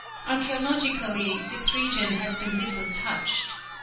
Archæologically this region has been little touched.